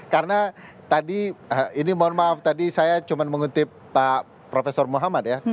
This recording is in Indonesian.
karena tadi ini mohon maaf tadi saya cuma mengutip pak profesor muhammad ya